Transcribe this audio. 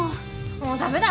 もうダメだ。